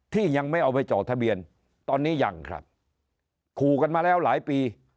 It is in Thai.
ที่ยังไม่เอาไปจ่อทะเบียนตอนนี้ยังครับขู่กันมาแล้วหลายปี